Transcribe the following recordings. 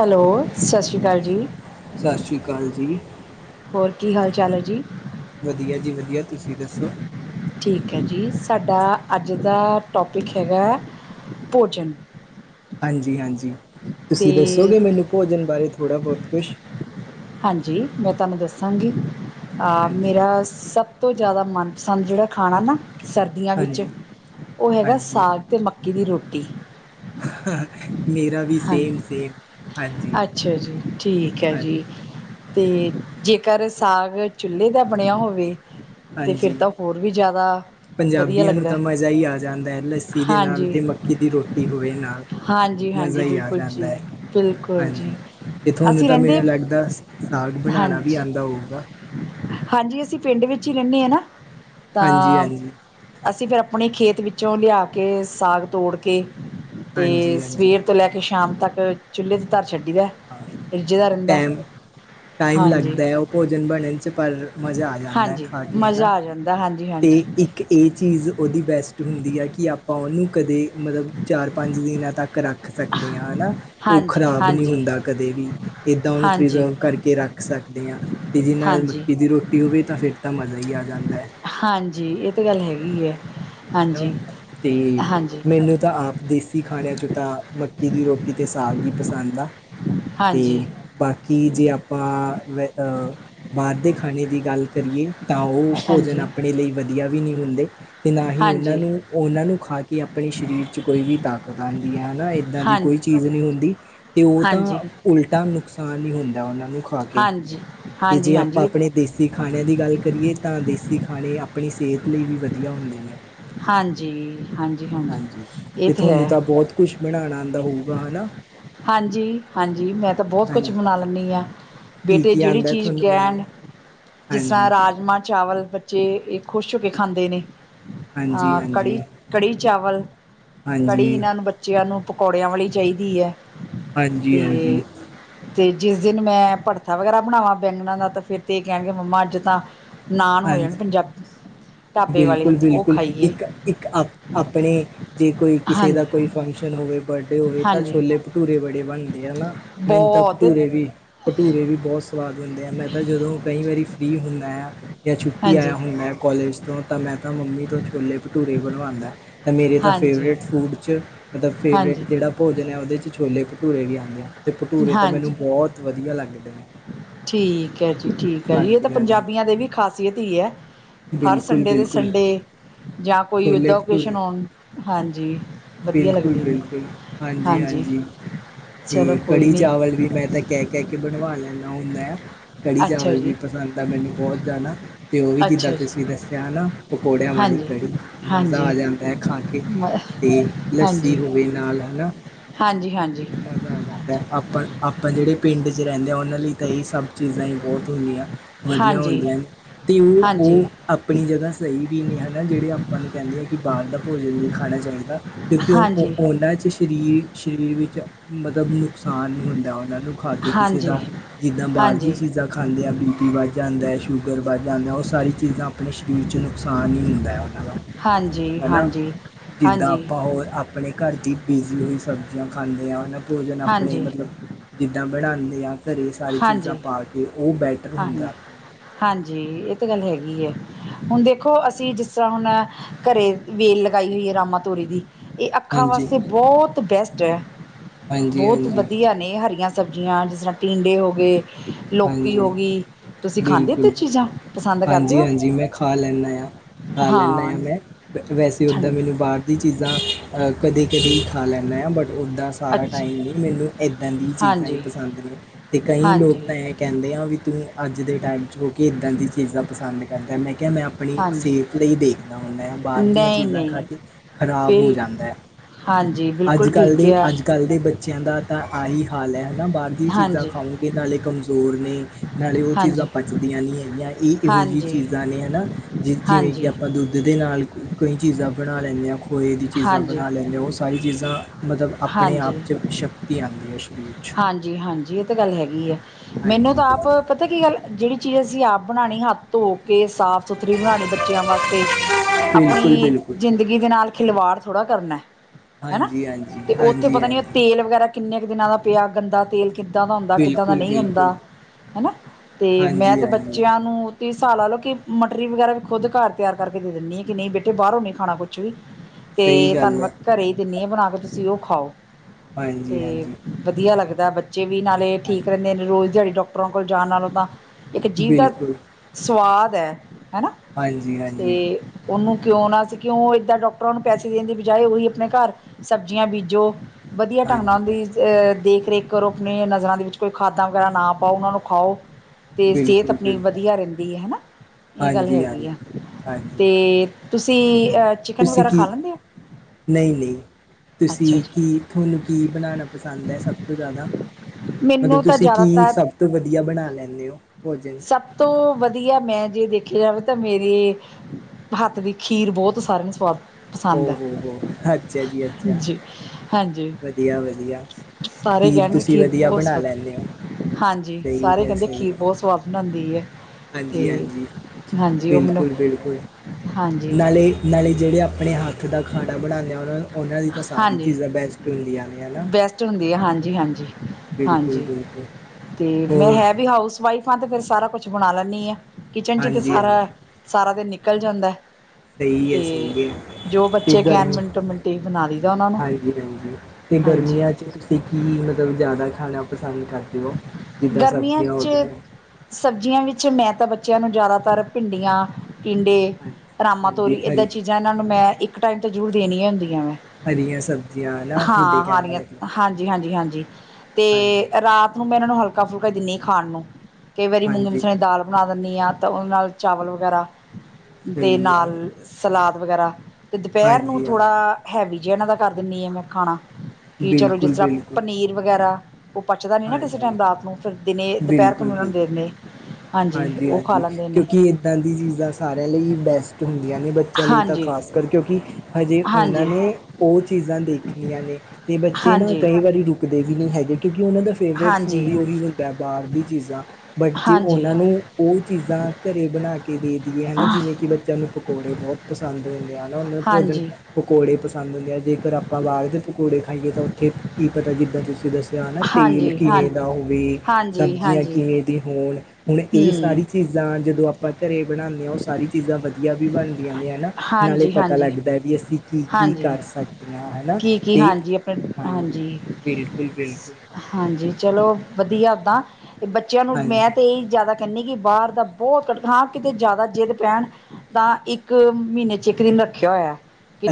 Hello ਸਤਿ ਸ੍ਰੀ ਕਾਲ ਜੀ। ਸਤਿ ਸ੍ਰੀ ਕਾਲ ਜੀ। ਹੋਰ ਕੀ ਹਾਲ ਚਾਲ ਹੈ ਜੀ। ਵਧੀਆ ਜੀ ਵਧੀਆ ਤੁਸੀਂ ਦੱਸੋ। ਠੀਕ ਹੈ ਜੀ ਸਾਡਾ ਅੱਜ ਦਾ ਟੋਪਿਕ ਹੈਗਾ ਭੋਜਨ। ਹਾਂਜੀ-ਹਾਂਜੀ ਅਤੇ ਤੁਸੀਂ ਦੱਸੋਗੇ ਮੈਨੂੰ ਭੋਜਨ ਬਾਰੇ ਥੋੜ੍ਹਾ ਬੋਤ ਕੁਸ਼। ਹਾਂਜੀ ਮੈਂ ਤੁਹਾਨੂੰ ਦੱਸਾਂਗੀ ਅ ਹਾਂਜੀ ਮੇਰਾ ਸਭ ਸਭ ਤੋਂ ਜੈਦਾ ਮਨਪਸੰਦ ਜਿਹੜਾ ਖਾਣਾ ਨਾ ਸਰਦੀਆਂ ਵਿੱਚ ਹਾਂਜੀ ਉਹ ਹੈਗਾ ਹਾਂਜੀ ਸਾਗ ਤੇ ਉਹ ਮੱਕ ਮੱਕੀ ਦੀ ਰੋਟੀ। ਹਾ। ਹਾਂਜ ਅੱਛਾ ਜੀ ਠੀਕ ਹੈ ਹਾਂਜੀ ਜੀ। ਤੇ ਜੇਕਰ ਸਾਗ ਚੁੱਲ੍ਹੇ ਦਾ ਬਣਿਆ ਹੋਵੇ ਤੇ ਫੇਰ ਹਾਂਜੀ ਤਾਂ ਹੋਰ ਵੀ ਜੈਦਾ ਪੰਜਾਬੀਆਂ ਨੂੰ ਤਾ ਮਜ਼ਾ ਹੀ ਆ ਜਾਂਦਾ ਲੱਸੀ ਦੇ ਨਾਲ ਹਾਂਜੀ ਤੇ ਮੱਕੀ ਦੀ ਰੋਟੀ ਹੋਵੇ ਨਾਲ। ਹਾਂਜੀ-ਹਾਂਜੀ ਮਜ਼ਾ ਹੀ ਆ ਬਿਲਕੁਲ ਜਾਂਦਾ ਹੈ ਜੀ-ਬਿਲਕੁਲ ਜੀ। ਹਾਂਜੀ ਤੇ ਤੋਹਾਨੂੰ ਅਸੀਂ ਤਾਂ ਮੇਰੇ ਰਹਿੰਦੇ ਲੱਗਦਾ ਸਾਗ ਬਣਾਣਾ ਵੀ ਹਾਂਜੀ, ਆਂਦਾ ਹੋਊਗਾ। ਹਾਂਜੀ ਅਸੀਂ ਪਿੰਡ ਵਿੱਚ ਹੀ ਰਹਿੰਨੇ ਹਾਂ ਨਾ ਹਾਂਜੀ ਤਾਂ ਹਾਂਜੀ ਅਸੀਂ ਫੇਰ ਆਪਣੇ ਖੇਤ ਵਿੱਚੋਂ ਲਿਆ ਕੇ ਸਾਗ ਤੋੜ ਕੇ ਤੇ ਹਾਂਜੀ ਹਾਂਜੀ ਸਵੇਰ ਤੋਂ ਲੈ ਕੇ ਸ਼ਾਮ ਤੱਕ ਚੁੱਲ੍ਹੇ 'ਤੇ ਧਰ ਛੱਡੀ ਦਾ। ਹਾਂ ਰਿੱਝਦਾ ਰਹਿੰਦਾ ਟੈਮ [unintelligible] ਟਾਈਮ ਹਾਂਜੀ, ਲੱਗਦਾ ਐ ਉਹ ਭੋਜਨ ਬਣਨ ਚ ਪਰ ਮਜ਼ਾ ਆ ਜਾਂਦਾ ਐ ਹਾਂਜੀ ਖਾ ਕੇ ਮਜ਼ਾ ਹਨਾ। ਹ ਆ ਜਾਂਦਾ [inaudible] ਹਾਂਜੀ-ਹਾਂਜੀ, ਇੱਕ ਇਹ ਚੀਜ਼ ਉਹਦੀ ਬੈਸਟ ਹੁੰਦੀ ਆ ਕਿ ਆਪਾਂ ਉਹਨੂੰ ਕਦੇ ਮਤਲਬ ਚਾਰ ਪੰਜ ਦਿਨਾਂ ਤੱਕ ਰੱਖ ਸਕਦੇ ਹਾਂ ਹਨਾ, ਉਹ ਖ਼ਰਾਬ ਨਹੀਂ ਹਾਂਜੀ-ਹਾਂਜੀ, ਹਾਂਜੀ, ਹੁੰਦਾ ਕਦੇ ਵੀ। ਏਦਾਂ ਉਹਨੂੰ ਹਾਂਜੀ, ਪ੍ਰਜ਼ਰਵ ਕਰਕੇ ਰੱਖ ਸਕਦੇ ਆ। ਤੇ ਏਦੇ ਨਾਲ ਹਾਂਜੀ ਹਾਂਜੀ ਮੱਕੀ ਦੀ ਰੋਟੀ ਹੋਵੇ ਤਾਂ ਫਿਰ ਤਾਂ ਮਜ਼ਾ ਹੀ ਆ ਜਾਂਦਾ ਐ। ਹਾਂਜੀ ਇਹ ਤਾਂ ਗੱਲ ਹੈਗੀ ਐ। ਹਨਾ, ਤੇ ਮੈਨੂੰ ਤਾਂ ਆਪ ਦੇਸੀ ਖਾਣੇਆਂ ਚੋਂ ਤਾਂ ਮੱਕੀ ਦੀ ਰੋਟੀ ਤੇ ਸਾਗ ਹੀ ਪਸੰਦ ਆ, ਹਾਂਜੀ, ਤੇ ਬਾਕੀ ਜੇ ਆਪਾਂ ਵ ਅ ਬਾਹਰ ਦੇ ਖਾਣੇ ਦੀ ਗੱਲ ਕਰੀਏ ਤਾਂ ਉਹ ਭੋਜਨ ਹਾਂਜੀ, ਆਪਣੇ ਲਈ ਵਧੀਆ ਵੀ ਨਹੀਂ ਹੁੰਦੇ, ਤੇ ਨਾ ਹੀ ਉਹਨਾਂ ਹਾਂਜੀ, ਨੂੰ ਉਹਨਾਂ ਨੂੰ ਖਾ ਕੇ ਆਪਣੇ ਸਰੀਰ ਚ ਕੋਈ ਵੀ ਤਾਕਤ ਆਂਦੀ ਏ ਹਨਾ। ਏਦਾਂ ਦੀ ਹਾਂਜੀ। ਕੋਈ ਚੀਜ਼ ਨਹੀਂ ਹੁੰਦੀ ਤੇ ਉਹ ਤਾਂ ਹਾਂਜੀ ਉਲਟਾ ਨੁਕਸਾਨ ਹੀ ਹੁੰਦਾ ਉਹਨਾ ਨੂੰ। ਹਾਂਜੀ। ਕਿ ਹਾਂਜੀ ਜੇ ਆਪਾਂ ਹਾਂਜੀ ਆਪਣੇ ਦੇ ਦੇਸੀ ਖਾਣੇਆਂ ਦੀ ਗੱਲ ਕਰੀਏ ਤਾਂ ਦੇਸੀ ਖਾਣੇ ਆਪਣੀ ਸਿਹਤ ਲਈ ਵੀ ਵਧੀਆ ਹੁੰਦੇ ਨੇ। ਹਾਂਜੀ। ਹਾਂਜੀ ਇਹ ਤੇ ਥੋਨੂੰ ਹੈ ਤਾਂ ਬਹੁਤ ਕੁਛ ਬਣਾਣਾ ਆਂਦਾ ਹੋਊਗਾ ਹਨਾ? ਹਾਂਜੀ ਹਾਂਜੀ ਮੈਂ ਤਾਂ ਬਹੁਤ ਕੁਛ ਹਾਂਜੀ ਬਣਾ ਲੈਂਦੀ ਆ। ਕੀ ਬੇਟੇ ਕੀ ਜਿਹੜੀ ਆਉਂਦਾ ਚੀਜ਼ ਤੁਹਾਨੂੰ ਕਹਿਣ, ਬਣਾਉਣਾ ਜਿਸ ਹਾਂਜੀ ਤਰ੍ਹਾਂ ਰਾਜਮਾਂਹ, ਚਾਵਲ। ਜੇ ਇਹ ਖੁਸ਼ ਹੋ ਕੇ ਖਾਂਦੇ ਨੇ, ਹਾਂਜੀ ਹਾਂ ਹਾਂਜੀ ਕੜੀ ਕੜੀ ਚਾਵਲ। ਕੜੀ ਹਾਂਜੀ ਇਹਨਾਂ ਨੂੰ ਬੱਚਿਆਂ ਨੂੰ ਪਕੌੜਿਆਂ ਵਾਲੀ ਚਾਈਦੀ ਐ। ਹਾਂਜੀ ਤੇ ਹਾਂਜੀ ਤੇ ਜਿਸ ਦਿਨ ਮੈਂ ਭੜਥਾ ਵਗੈਰਾ ਬਣਾਵਾ ਬੈਂਗਣਾਂ ਦਾ, ਤਾਂ ਫਿਰ ਤੇ ਇਹ ਕਹਿਣਗੇ ਮੰਮਾ ਅੱਜ ਤਾਂ ਆਪਾਂ ਹੋਏ ਹਾਂਜੀ ਨਾ ਪੰਜਾਬੀ। ਢਾਬੇ ਵਾਲੇ ਬਿਲਕੁਲ ਉਹ ਬਿਲਕੁਲ, ਖਾਈਏ ਇੱਕ-ਇੱਕ ਆਪ ਆਪਣੇ ਜੇ ਕੋਈ ਕਿਸੇ ਹਾਂਜੀ ਦਾ ਕੋਈ ਫੰਕਸ਼ਨ ਹੋਵੇ, ਬਾਡੇ ਹੋਵੇ ਤਾਂ ਹਾਂਜੀ ਛੋਲੇ ਭਟੂਰੇ ਬੜੇ ਬਣਦੇ ਆ ਹਨਾ, ਮੈਨੂੰ ਤਾਂ ਬਹੁਤ ਭਟੂਰੇ ਵੀ ਭਟੂਰੇ ਵੀ ਬਹੁਤ ਸਵਾਦ ਹੁੰਦੇ ਆ, ਮੈਂ ਤਾਂ ਜਦੋਂ ਕਈ ਵਾਰੀ ਫ੍ਰੀ ਹੁੰਦਾ ਆ ਜਾਂ ਛੁੱਟੀ ਹਾਂਜੀ ਆਇਆ ਹੋਵਾਂ ਮੈਂ ਕਾਲੇਜ ਤੋਂ ਤਾਂ ਮੈਂ ਤਾਂ ਮੰਮੀ ਤੋਂ ਛੋਲੇ ਭਟੂਰੇ ਬਣਵਾਂਦਾ। ਤਾਂ ਮੇਰੇ ਤਾਂ ਹਾਂਜੀ ਫੇਵਰੇਟ ਫੂਡ 'ਚ ਮਤਲਬ ਫੇਵਰੇਟ ਹਾਂਜੀ ਜਿਹੜਾ ਭੋਜਨ ਆ ਉਹਦੇ 'ਚ ਛੋਲੇ ਭਟੂਰੇ ਵੀ ਆਂਦੇ ਆ ਤੇ ਭਟੂਰੇ ਤਾਂ ਮੈਨੂੰ ਹਾਂਜੀ ਬਹੁਤ ਵਧੀਆ ਲੱਗਦੇ ਨੇ। ਠੀਕ ਐ ਜੀ ਠੀਕ ਐ ਜੀ, ਇਹ ਤਾਂ ਹਾਂਜੀ ਪੰਜਾਬੀਆਂ ਦੇ ਵੀ ਖ਼ਾਸੀਅਤ ਹੀ ਐ। ਹਰ ਬਿਲਕੁਲ ਸੰਡੇ ਦੇ ਬਿਲਕੁਲ ਸੰਡੇ ਜਾਂ ਕੋਈ ਛੋਲੇ ਇਦਾਂ ਭਟੂਰੇ ਓਕੇਸ਼ਨ ਹੋਣ ਹਾਂਜੀ। ਵਧੀਆ ਲੱਗਦੇ ਨੇ ਹਾਂਜੀ। ਤੇ ਚਲੋ ਕੋਈ ਕੜੀ, ਨਹੀਂ ਚਾਵਲ ਵੀ ਮੈਂ ਤਾਂ ਕਹਿ ਕਹਿ ਕੇ ਬਣਵਾ ਲੈਂਦਾ ਹੁੰਦਾ ਆ। ਕੜੀ, ਅੱਛਾ ਚਾਵਲ ਜੀ ਵੀ ਪਸੰਦ ਆ ਮੈਨੂੰ ਬਹੁਤ ਜ਼ਿਆਦਾ। ਤੇ ਉਹ ਵੀ ਜਿੱਦਾਂ ਅੱਛਾ ਜੀ ਤੁਸੀਂ ਦੱਸਿਆ ਹਨਾ ਪਕੌੜਿਆਂ ਵਾਲੀ ਹਾਂਜੀ ਕੜੀ ਮਜ਼ਾ ਹਾਂਜੀ ਆ ਜਾਂਦਾ ਐ ਖਾ ਕੇ। ਮ- ਤੇ ਲੱਸੀ ਹਾਂਜੀ ਹੋਵੇ ਨਾਲ ਹਨਾ। ਤਾਂ ਹਾਂਜੀ ਹਾਂਜੀ। ਮਜ਼ਾ ਆ ਜਾਂਦਾ। ਆਪਾਂ ਆਪਾਂ ਜਿਹੜੇ ਪਿੰਡ ਚ ਰਹਿੰਦੇ ਆ ਉਹਨਾਂ ਲਈ ਤਾਂ ਇਹ ਸਭ ਚੀਜ਼ਾਂ ਹੀ ਬਹੁਤ ਹੁੰਦੀਆਂ। ਵਧੀਆ ਹਾਂਜੀ ਹੁੰਦੀਆਂ ਨੇ ਤੇ ਉਹ ਓ ਹਾਂਜੀ ਆਪਣੀ ਜਗ੍ਹਾ ਸਹੀ ਵੀ ਨੇ ਹਨਾ ਜਿਹੜੇ ਆਪਾਂ ਨੂੰ ਕਹਿੰਦੇ ਆ ਕਿ ਬਾਹਰ ਦਾ ਭੋਜਨ ਨਹੀਂ ਖਾਣਾ ਚਾਹੀਦਾ। ਕਿਉਂਕਿ ਉਹ ਹਾਂਜੀ ਹਾਂਜੀ ਉਹਨਾਂ ਚ ਸਰੀਰ ਸਰੀਰ ਵਿੱਚ ਮਤਲਬ ਨੁਕਸਾਨ ਨੀ ਹੁੰਦਾ ਉਹਨਾਂ ਨੂੰ ਖਾ ਕੇ ਕਿਸੇ ਹਾਂਜੀ ਦਾ ਜਿੱਦਾਂ ਬਾਰ ਦੀ ਹਾਂਜੀ ਚੀਜਾਂ ਖਾਂਦੇ ਆ ਬੀ ਪੀ ਵੱਧ ਜਾਂਦੈ, ਸ਼ੂਗਰ ਵੱਧ ਜਾਂਦੈ ਓ ਸਾਰੀ ਚੀਜ਼ਾਂ ਆਪਣੇ ਸ਼ਰੀਰ ਚ ਨੁਕਸਾਨ ਈ ਹੁੰਦੈ। ਹੈਗਾ ਹਾਂਜੀ ਹਨਾ ਹਾਂਜੀ ਜਿੱਦਾਂ ਹਾਂਜੀ ਆਪਾਂ ਹੋਰ ਆਪਨੇ ਘਰ ਦੀ ਬੀਜ਼ੀ ਹੋਈ ਸਬਜ਼ੀਆਂ ਖਾਂਦੇ ਆ ਹੁਨ ਭੋਜਨ ਆਪਣੇ ਹਾਂਜੀ ਮਤਲਬ ਜਿੱਦਾਂ ਬਣਾਂਦੇ ਆਂ ਘਰੇ ਸਾਰੀ ਚੀਜ਼ਾਂ ਹਾਂਜੀ ਪਾ ਕੇ ਓ ਬੈਟਰ ਹਾਂਜੀ ਹੁੰਦਾ। ਲਈ ਹਾਂਜੀ ਏ ਤਾ ਗੱਲ ਹੈਗੀ ਐ ਹੁਨ ਦੇਖੋ ਅਸੀ ਜਿਸ ਤਰ੍ਹਾਂ ਹੁਨ ਘਰੇ ਵੇਲ ਲਗਾਈ ਹੋਈ ਐ ਰਾਮਾ ਤੋਰੀ ਦੀ। ਏ ਅੱਖਾਂ ਹਾਂਜੀ ਵਾਸਤੇ ਬੌਤ ਬੈਸਟ ਐ ਹਾਂਜੀ ਬੌਤ ਹਾਂਜੀ ਵਧੀਆ ਨੇ ਹਰੀਆ ਸਬਜੀਆਂ ਜਿਸ ਰਾ ਟੀਂਡੇ ਹੋ ਗੇ ਲੋਕੀ ਹਾਂਜੀ ਹੋ ਗੀ ਤੁਸੀ ਖਾਂਦੇ ਓ ਤੇ ਬਿਲਕੁਲ ਚੀਜ਼ਾਂ ਪਸੰਦ ਕਰਦੇ ਹਾਂਜੀ ਓ? ਹਾਂਜੀ ਮੈਂ ਖਾ ਲੈਂਦਾ ਹਾਂ ਖਾ ਲੇਨਾ ਆ ਮੈਂ ਵੈਸੇ ਓਦਾਂ ਮੈਨੂੰ ਬਾਰ ਦੀ ਚੀਜ਼ਾਂ ਅ ਕਦੀ ਕਦੀ ਖਾ ਲੈਨਾ ਆ ਬੱਟ ਓਦਾਂ ਸਾਰਾ ਅੱਛਾ ਟਾਈਮ ਨਈ, ਮੈਨੂੰ ਏਦਾਂ ਦੀ ਚੀਜ਼ਾਂ ਹੀ ਹਾਂਜੀ ਪਸੰਦ ਨੇ ਤੇ ਕਈ ਲੋਕ ਹਾਂਜੀ ਕੈਂਦੇ ਆ ਵੀ ਤੂੰ ਅੱਜ ਦੇ ਟਾਈਮ ਚ ਹੋਕੇ ਏਦਾ ਦੀ ਚੀਜ਼ਾਂ ਪਸੰਦ ਪਸੰਦ ਕਰਦਾ ਮੈ ਕਿਆ ਮੈ ਆਪਣੀ ਹਾਂਜੀ ਸੇਤ ਲਈ ਦੇਖਦਾ ਹਾਂ ਮੈ ਬਾਰ ਦੀਆਂ ਨਹੀਂ ਚੀਜ਼ਾਂ ਖਾ ਨਹੀਂ ਕੇ ਖ਼ਰਾਬ ਹੋ ਬਿਲ ਜਾਂਦਾ ਐ। ਹਾਂਜੀ ਅੱਜ ਬਿਲਕੁਲ ਠੀਕ ਕੱਲ੍ਹ ਦੇ, ਕਿਹਾ ਅੱਜ ਕੱਲ੍ਹ ਦੇ ਬੱਚਿਆਂ ਦਾ ਤਾ ਆਹੀ ਹਾਲ ਹੈ ਹਨਾ ਬਾਰ ਦੀ ਚੀਜ਼ਾਂ ਹਾਂਜੀ ਖਾਓ ਨਾਲੇ ਕਮਜੋਰ ਨੇ, ਨਾਲੇ ਓ ਚੀਜ਼ਾਂ ਹਾਂਜੀ ਪਚਦੀਆਂ ਨੀ ਹੇਗੀਆਂ ਏ ਇਹੋ ਜੀ ਹਾਂਜੀ ਚੀਜ਼ਾਂ ਨੇ ਹਨਾ ਜਿ- ਜਿਂਵੇ ਕਿ ਹਾਂਜੀ ਆਪਾ ਦੁੱਧ ਦੇ ਨਾਲ ਕਈ ਚੀਜ਼ਾਂ ਬਣਾ ਲੈਨੇ ਆ ਖੋਏ ਦੀ ਚੀਜਾ ਹਾਂਜੀ ਬਣਾ ਲੈਨੇ ਓ ਸਾਰੀ ਚੀਜ਼ਾਂ ਮਤਬ ਆਪਣੇ ਹਾਂਜੀ ਆਪ 'ਚ ਸ਼ਕਤੀ ਆਂਦੀ ਆ ਸ਼ਰੀਰ ਚ ਹਾਂਜੀ- ਹਾਂਜੀ ਏ ਤਾ ਗੱਲ ਹੈਗੀ ਐ। ਮੈਨੂੰ ਹਾਂਜੀ ਤਾ ਆਪ ਵਧੀਆ ਪਤਾ ਕੀ ਗੱਲ ਜੇੜੀ ਚੀ ਅਸੀ ਆਪ ਬਣਾਣੀ ਹੱਥ ਧੋ ਕੇ ਸਾਫ਼ ਸੁਥਰੀ ਬਣਾਣੀ ਬੱਚਿਆਂ ਵਾਸਤੇ ਬਿਲਕੁਲ ਆਪਣੀ ਬਿਲਕੁਲ ਜਿੰਦਗੀ ਏਦੇ ਨਾਲ ਖਿਲਵਾੜ ਥੋੜਾ ਕਰਨਾ ਏ ਹਨਾ ਹਾਂਜੀ ਹਾਂਜੀ ਤੇ ਓਥੇ ਹਾਂਜੀ ਪਤਾ ਨੀ ਓ ਹਾਂਜੀ ਤੇਲ ਵਗੈਰਾ ਕਿੰਨੇ ਕ ਦਿਨਾ ਦਾ ਪਿਆ ਗੰਦਾ ਤੇਲ ਕਿ ਕਿੱਦਾ ਦਾ ਹੁੰਦਾ ਕਿੱਦਾ ਦਾ ਬਿਲਕੁਲ ਨਈ ਬਿਲਕੁਲ ਹੁੰਦਾ ਹਨਾ ਤੇ ਮੈ ਹਾਂਜੀ ਤੇ ਹਾਂਜੀ ਬੱਚਿਆਂ ਨੂੰ ਤੁਸੀ ਸਾ ਲਾ ਲੋ ਕਿ ਮਟਰੀ ਵਗੈਰਾ ਵੀ ਖੁਦ ਘਰ ਤਿਆਰ ਕਰਕੇ ਦੇ ਦੇਨੀ ਆਂ ਕਿ ਨਈ ਬੇਟੇ ਬਾਰੋ ਨੀ ਖਾਣਾ ਕੁਛ ਵੀ। ਤੇ ਸਹੀ ਤਾਨੂੰ ਗੱਲ ਮੈ ਹੈ ਘਰੇ ਦਿੰਨੀ ਆ ਬਣਾ ਕੇ ਤੁਸੀ ਓ ਖਾਓ ਹਾਂਜੀ ਤੇ ਹਾਂਜੀ ਵਧੀਆ ਲਗਦਾ ਬੱਚੇ ਵੀ ਨਾਲੇ ਠੀਕ ਹਾਂਜੀ ਰੈਂਦੇ ਨੇ ਰੋਜ ਦਿਆੜੀ ਡਾਕਟਰਾਂ ਕੋਲ ਜਾਨ ਨਾਲੋ ਤਾਂ ਇਕ ਜੀਵ ਦਾ ਬਿਲਕੁਲ ਸਵਾਦ ਐ ਹਨਾ ਹਾਂਜੀ ਤੇ ਹਾਂਜੀ ਉਨੂੰ ਕਿਓਂ ਨਾ ਅਸੀ ਕਿਓਂ ਏਦਾ ਡਾਕਟਰਾਂ ਨੂੰ ਪੈਸੇ ਦੇਣ ਦੀ ਬਜਾਏ ਓਹੀ ਆਪਨੇ ਘਰ ਸਬਜੀਆਂ ਬੀਜੋ ਵਧੀਆ ਢੰਗ ਨਾਲ ਹਾਂਜੀ ਬੀ ਐ ਦੇਖ ਰੇਖ ਕਰੋ ਆਪਨੇ ਨਜ਼ਰਾਂ ਦੇ ਵਿਚ ਕੋਈ ਖਾਦਾਂ ਵਗੈਰਾ ਨਾ ਪਾਓ ਉਨਾ ਨੂੰ ਖਾਓ ਤੇ ਸੇਤ ਬਿਲਕੁਲ ਆਪਨੀ ਬਿਲਕੁਲ ਵਧੀਆ ਰੈਂਦੀ ਐ ਹਨਾ ਏ ਗੱਲ ਹਾਂਜੀ ਹੈਗੀ ਆ ਹਾਂਜੀ ਤੇ ਤੁਸੀ ਅ ਤੁਸੀ ਕੀ ਨਈ ਲੀ ਤੁਸੀ ਅੱਛਾ ਕੀ ਜੀ ਥੋਨੂੰ ਕੀ ਬਨਾਣਾ ਪਸੰਦ ਐ ਸਬ ਤੋ ਜਿਆਦਾ? ਮਤਲ ਮੈਨੂੰ ਤਾਂ ਤੁਸੀ ਕੀ ਜ਼ਿਆਦਾਤਰ ਸਭ ਤੋ ਵਧੀਆ ਬਣਾ ਲੈਨੇ ਓ? ਸਭ ਤੋ ਵਧੀਆ ਮੈ ਜੇ ਦੇਖਿਆ ਜਾਵੇ ਤਾ ਮੇਰੇ ਹੱਥ ਦੀ ਖੀਰ ਬੌਤ ਸਾਰਿਆਂ ਨੂੰ ਸਵਾਦ ਓ ਪਸੰਦ - ਹੋ -ਹੋ ਅੱਛਾ ਜੀ, ਹੈ ਅੱਛਾ ਜੀ ਹਾਂਜੀ ਵਧੀਆ- ਵਧੀਆ। ਸਾਰੇ ਖੀਰ ਕਹਿਣਗੇ ਤੁਸੀ ਵਧੀਆ ਬਹੁਤ ਬਣਾ ਸਵਾਦ ਲੈਨੇ ਓ ਸਈ ਐ ਸਈ। ਬਨਦੀ ਐ। ਆਜੀ-ਆਜੀ, ਬਿਲਕੁਲ- ਬਿਲਕੁਲ, ਹਾਂਜੀ ਨਾਲੇ ਨਾਲੇ ਜੇੜੇ ਆਪਣੇ ਹੱਥ ਦਾ ਖਾਣਾ ਬਣਾਦੇ ਓਨਾ ਨੂੰ ਓਨਾ ਦੀ ਤਾਂ ਸਾਰੀ ਹਾਂਜੀ ਚੀਜਾ ਬੈਜਟ ਹੁੰਦੀਆਂ ਨੇ ਹਨਾ ਬੈਸਟ ਹੁੰਦੀ ਹੈ ਹਾਂਜੀ ਹਾਂਜੀ ਬਿਲਕੁਲ- ਹਾਂਜੀ ਬਿਲਕੁਲ ਤੇ ਮੈਂ ਹੋਰ ਹੈਵੀ ਹਾਊਸ ਵਾਈਫ ਆ ਤੇ ਫੇਰ ਸਾਰਾ ਕੁਛ ਬਣਾ ਲੈਣੀ ਆਂ ਕਿਚਨ ਚ ਤੇ ਹਾਂਜੀ ਹਾਂਜੀ ਸਾਰਾ ਸਾਰਾ ਦਿਨ ਨਿਕਲ ਜਾਦਾ ਸਈ ੲੈ, ਸਈ ੲੈ, ਫੇਰ ਬੱਚੇ ਕਹਿਣ ਗਰਮੀ ਮਿੰਟੋ ਮਿੰਟੀ ਬਣਾ ਲਈਦਾ ਉਹਨਾਂ ਨੂੰ ਹਾਂਜੀ -ਹਾਂਜੀ, ਤੇ ਹਾਂਜੀ ਗਰਮੀਆਂ ਚ ਤੇ ਕੀ ਮਤਬ ਜਾਦਾ ਖਾਣਾ ਪਸੰਦ ਕਰਦੇ ਓ, ਜਿਦਾ ਸਬਜੀਆਂ ਹੋ ਗਿਆ ਸਬਜੀਆਂ ਵਿੱਚ ਮੈ ਤਾਂ ਬੱਚਿਆਂ ਨੂੰ ਜਾਦਾਤਰ ਭਿੰਡੀਆਂ ਟਿੰਡੇ ਹਾਂਜੀ ਰਮਾ ਹਾਂਜੀ ਤੋਰੀ ਏਦਾ ਹਰੀ ਚੀਜਾ ਏਨਾ ਨੂੰ ਮੈ, ਇਕ ਟਾਈਮ ਤੋਂ ਜਰੂਰ ਦੇਣੀਆਂ ਹੁੰਦੀਆਂ ਵੈ ਹਰੀਆਂ ਸਬਜੀਆਂ ਹਨਾ, ਥੋਡੇ ਕੈਣ ਦਾ ਮਤਲਬ ਹਾਂਜੀ, ਹਾਂਜੀ, ਹਾਂਜੀ ਹਾਂਜੀ ਤੇ ਵਧੀਆ, ਰਾਤ ਨੂੰ ਮੈ ਏਨਾਂ ਨੂੰ ਹਲਕਾ-ਫੁਲਕਾ ਦਿਣੀ ਖਾਣ ਨੂੰ ਕਈ ਵਾਰੀ ਹਾਂਜੀ ਮੂੰਗੀ-ਮਸਰਾ ਦਾਲ ਬਣਾ ਦਿੰਦੀ ਆਂ, ਤਾਂ ਓਦੇ ਨਾਲ ਚਾਵਲ ਵਗੈਰਾ ਤੇ ਸਹੀ ਹੈ ਹਾਂਜੀ ਨਾਲ ਸਲਾਦ ਵਗੈਰਾ, ਤੇ ਦਪੈਰ ਨੂੰ ਹਾਂਜੀ ਥੋੜਾ ਹਾਂਜੀ ਹੈਵੀ ਜੇਆ ਏਨਾ ਦਾ ਕੱਰ ਦਿੰਦੀ ਆ ਮੈ ਖਾਣਾ ਕੀ ਚਲੋ ਜਿਸ ਬਿਲਕੁਲ ਤਰਾ ਬਿਲਕੁਲ ਪਨੀਰ ਵਗੈਰਾ, ਓ ਪਚਦਾ ਨੀ, ਕਿਸੇ ਹਾਂਜੀ ਟੈਮ ਰਾਤ ਨੂੰ ਫੇਰ ਦਿਨੇ ਦਪੈਰ ਤੋ ਓਨਾ ਨੂੰ ਦੇ ਦੇਣੇ ਹਾਂਜੀ-ਹਾਂਜੀ ਕਿਉਕਿ ਇਦਾਂ ਦੀ ਚੀਜਾ ਸਾਰੇਆਂ ਲਈ ਬੈਸਟ ਹੁੰਦੀਆਂ ਨੇ ਬ- ਚਲ ਏ ਤਾਂ ਹਾਂਜੀ ਖਾਸ ਕਰ ਕੇਉਕਿ, ਹਜੇ ਓਨਾ ਹਾਂਜੀ ਨੇ ਓ ਚੀਜਾ ਦੇਖਣੀਆਂ ਨੇ ਤੇ ਬੱਚੇ ਨਾ ਹਾਂਜੀ ਕਈ ਵਾਰੀ ਰੁਕਦੇ ਵੀ ਨੀ ਹੈਗੇ ਕਿਉਕਿ ਓਨਾ ਦਾ ਫੇਵਰੇਟ ਹਾਂਜੀ ਫੂਡ ਈ ਓਹੀ ਹੁੰਦਾ ਬਾਰ ਦੀ ਚੀਜ਼ਾ ਬਟ ਜੇ, ਹਾਂਜੀ ਓਨਾਂ ਨੂੰ ਓ ਚੀਜ਼ਾ ਘਰੇ ਬਣਾ ਕੇ ਦੇ ਦਿਏ ਹਨਾ, ਜਿਵੇਂ ਕਿ ਬ ਚ ਨੂੰ ਪਕੌੜੇ ਬੋਤ ਪਸੰਦ ਹੁੰਦੇ ਆ ਨਾ, ਓਨਾਂ ਨੂੰ ਭੋਜਨ ਹਾਂਜੀ ਪਕੌੜੇ ਪਸੰਦ ਹੁੰਦੇ ਆ, ਜੇਕਰ ਆਪਾਂ ਬਾਰ ਦੇ ਪਕੌੜੇ ਖਾਈਏ ਤਾਂ ਉੱਥੇ, ਕੀ ਪਤਾ ਜਿੱਦਾਂ ਤੁਸੀਂ ਦਸ [unintelligible] ਤੇਲ ਹਾਂਜੀ ਹਾਂ ਕਿਵੇਂ ਦਾ ਹੋਵੇ, ਹਾਂਜੀ ਸਬਜ਼ੀਆਂ ਹਾਂਜੀ ਕਿਵੇਂ ਏਦੀ ਹੋਣ, ਹੁਣ ਏ ਹੂੰ ਸਾਰੀ ਚੀਜ਼ਾਂ ਜਦੋਂ ਆਪਾਂ ਘਰੇ ਬਣਾਨੇ ਆਂ, ਓ ਸਾਰੀ ਚੀਜ਼ਾਂ ਵਧੀ [unintelligible] ਵੀ ਬਣਦੀਆਂ ਨੇ ਆ ਹਨਾ, ਨਾਲੇ ਹਾਂਜੀ ਪਤਾ ਹਾਂਜੀ ਲੱਗਦਾ ਬੀ ਅਸੀਂ ਕੀ-ਕੀ ਹਾਂਜੀ ਕੱਰ ਸਕਦੇ ਆਂ, ਹਨਾ ਕੀ ਕੀ ਤੇ ਹਾਂਜੀ ਆਪਣੇ ਹਾਂਜੀ, ਬਿਲਕੁਲ-ਬਿਲਕੁਲ ਹਾਂਜੀ, ਚਲੋ ਵਧੀਆ ਓਦਾਂ, ਤੇ ਬੱਚੇਆਂ ਨੂੰ ਮੈਂ ਹਾਂਜੀ ਤੇ ਏਈ ਜਾਦਾ ਕਨੇਕੀ ਬਾਰ ਦਾ ਬੋਤ, [unintelligible] ਹਾਂ, ਕਿਤੇ ਜਾਦਾ ਜੇਦ ਪੈਣ ਤਾਂ ਇੱ ਕ ਮਿਨੇ ਚ ਏਕ ਦਿਨ ਰੱਖੇਆ ਹੋਐ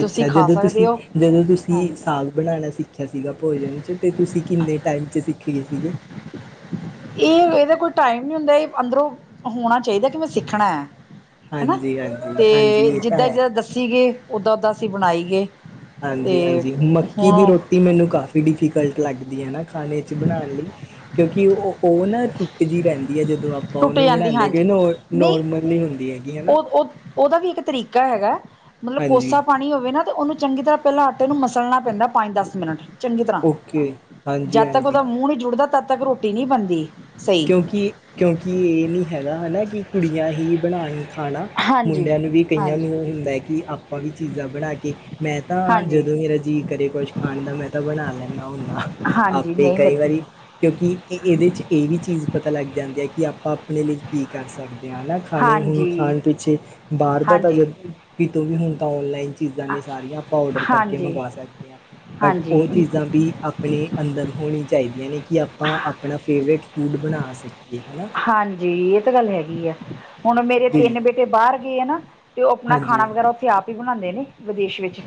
ਅੱਛਾ, ਜਦੋਂ ਤੁਸੀਂ, ਜਦੋਂ ਤੁਸੀਂ ਹਾਂਜੀ ਸਾਗ ਬਣਾਣਾ ਸੀ ਸਿੱਖਿਆ ਸੀਗਾ ਭੋਜਨ ਚ ਤੇ, ਤੁਸੀਂ ਕਿੰਨੇ ਟੈਮ ਚ ਸਿੱਖ ਗਏ ਸੀਗੇ ਏ ਏਦਾ ਕੋਈ ਟਾਈਮ ਨੀ ਹੁੰਦਾ, ਏ ਅੰਦਰੋਂ ਹੋਣਾ ਚਾਈਦਾ ਕਿ ਮੈਂ ਸਿੱਖਣੈ ਹਨਾ, ਹਾਂਜੀ ਹਾਂਜੀ ਤੇ ਹਾਂਜੀ ਇਹ ਤਾਂ ਜਿੱਦਾਂ ਜ ਹੈ ਦੱਸੀ ਗੇ ਓਦਾਂ-ਓਦਾਂ ਅਸੀਂ ਬਣਾਈ ਗੇ ਹਾਂਜੀ-ਹਾਂਜੀ, ਮੱਕੀ ਦੀ ਰੋ ਤੀ, ਮੈਨੂੰ ਕਾਫੀ ਡਿਫੀਕਲਟ ਲੱਗਦੀ ੲੈ ਨਾ, ਖਾਣੇ ਚ ਬਣਾਣ ਲਈ। ਕਿਉਂਕਿ ਓ, ਓਨਾ ਟੁੱਟਦੀ ਰੈੰਦੀ ੲੈ ਜ ਦੋਂ ਅਪਾ ਟੁੱਟ ਓਨੂੰ ਜਾਂਦੀ ਬਣਾਦੇ ਹੈਗੇ ਹਾਂਜੀ ਨੋ ਨੋਰਮਲ ਨੀਲ ਹੁੰਦੀ ਹੈਗੀ ਹਨਾ ਓਦਾ ਵੀ ਇੱਕ ਤਰੀਕਾ ਹੈਗਾ, ਮਤਲਬ ਹਾਂਜੀ ਕੋਸਾ ਪਾਣੀ ਹੋਵੇ ਨਾ, ਤੇ ਓਨੂੰ ਚੰਗੀ ਤਰਾ ਪੈਲਾ ਆਟੇ ਨੂੰ ਮਸਲਣਾ ਪੈਂਦਾ, ਪੰਜ-ਦੱਸ ਮਿੰਟ ਚੰਗੀ ਤਰਾਂ, ਓਕੇ ਹਾਂਜੀ ਜਾਦ ਤੱਕ ਹਾਂਜੀ ਓਦਾ ਮੂੰ ਨੀ ਜੁੜਦਾ ਤੱਦ-ਤੱਕ ਰੋਟੀ ਨੀ ਬਣਦੀ। ਸਹੀ ਕੇਉਕਿ-ਕੇਉਕਿ ਏ ਨੀ ਹੈਗਾ ਹਨਾ ਕਿ ਕੁੜੀਆਂ ਹੀ ਬਣਾਏ ਖਾਣਾ, ਹਾਂਜੀ ਮੁੰਡੇਆਂ ਨੂੰ ਵੀ ਕਈਆਂ ਨੂੰ ਹਾਂਜੀ ਹੁੰਦਾ ਕਿ ਆਪਾ ਵੀ ਚੀਜ਼ਾ ਬਣਾ ਕੇ ਮੈਂ ਤਾਂ ਹਾਂਜੀ ਜਦੋਂ ਮੇਰਾ ਜੀਅ ਕਰੇ ਕੁਛ ਖਾਣ ਦਾ ਮੈਂ ਤਾਂ ਬਣਾ ਲੈਣਾ ਹੁਣਾ। ਹਾਂਜੀ ਆਪੇ ਨਹੀਂ ਕਈ ਬੱਤੀ ਵਾਰੀ ਕਿਉਂਕਿ ਇਹ ਇਹਦੇ ਚ ਇਹ ਵੀ ਚੀਜ਼ ਪਤਾ ਲੱਗ ਜਾਂਦੀ ਐ ਕਿ ਆਪਾਂ ਆਪਣੇ ਲਈ ਕੀ ਕਰ ਸਕ ਦੇ ਆਂ ਨਾ ਖਾਣੇ ਹੁਣ ਹਾਂਜੀ ਖਾਣ ਪਿੱਛੇ ਬਾਹਰ ਦਾ ਤਾਂ ਹਾਂਜੀ ਜਦ ਕਿਤੋਂ ਵੀ ਹੁਣ ਤਾਂ ਔਨਲਾਈਨ ਚੀਜ਼ਾਂ ਨੇ ਸਾਰੀਆਂ ਆਪਾਂ ਔਡਰ ਕਰਕੇ ਹਾਂਜੀ ਮੰਗਵਾ ਸਕਦੇ ਆ ਬਟ ਉਹ ਹਾਂਜੀ ਚੀਜ਼ਾਂ ਵੀ ਆਪਣੇ ਅੰਦਰ ਹੋਣੀ ਚਾਹੀਦੀਆਂ ਨੇ ਕਿ ਆਪਾਂ ਆਪਣਾ ਫੇਵਰੇਟ ਫੂਡ ਬਣਾ ਸਕੀਏ ਹੈਨਾ ਹਾਂਜੀ, ਇਹ ਤਾਂ ਗੱਲ ਹੈਗੀ ਆ ਹੁਣ ਮੇਰੇ ਤਿੰਨ ਬਿਲਕੁਲ ਬੇਟੇ ਬਾਹਰ ਗਏ ਆ ਨਾ ਤੇ ਉਹ ਆਪਣਾ ਹਾਂਜੀ ਖਾਣਾ ਵਗੈਰਾ ਹਾਂਜੀ, ਉੱਥੇ ਆਪ ਹੀ ਬਣਾਂਦੇ ਨੇ ਵਿਦੇਸ਼ ਵਿੱਚ।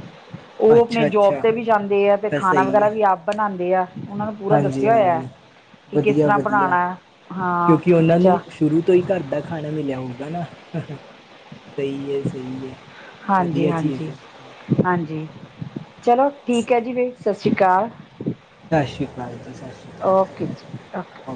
ਉਹ ਆਪਣੀ ਅੱਛਾ ਜੋਬ ਅੱਛਾ ਤੇ ਵੀ ਜਾਂਦੇ ਆ ਤੇ ਤਾਂ ਖਾਣਾ ਸਹੀ ਵਗੈਰਾ ਹੈ ਵੀ ਆਪ ਬਣਾਦੇ ਆ ਉਹਨਾਂ ਨੂੰ ਪੂਰਾ ਹਾਂਜੀ ਦੱਸਿਆ ਹੋਇਆ ਹਾਂਜੀ ਕਿ ਕਿਸ ਤਰ੍ਹਾਂ ਬਣਾਨਾ, ਹਾਂ। ਕਿ ਉਹਨਾਂ ਅੱਛਾ ਨੂੰ ਸ਼ੁਰੂ ਤੋਂ ਹੀ ਘਰ ਦਾ ਖਾਣਾ ਮਿਲਿਆ ਹੋਊਗਾ ਨਾ ਸਹੀ ਐ, ਸਹੀ ਐ ਹਾਂਜੀ ਵਧੀਆ ਚੀਜ਼ ਹਾਂਜੀ ਏ, ਹਾਂਜੀ। ਚਲੋ, ਠੀਕ ਐ ਜੀ ਫੇਰ ਸਤਿ ਸ਼੍ਰੀ ਅਕਾਲ। ਸ਼ ਸ਼੍ਰੀ ਅਕਾਲ ਜੀ, ਸ਼ ਸ਼੍ਰੀ ਅਕਾਲ ਜੀ। ਓਕੇ